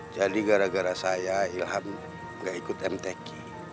jadi gara gara saya ilham gak ikut mtk